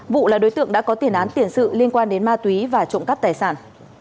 vụ là đối tượng đã có tiền án tiền sự liên quan đến ma túy và trộm cắp tài sản